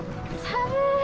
寒い？